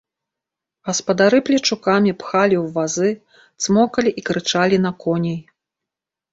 Гаспадары плечукамі пхалі ў вазы, цмокалі і крычалі на коней.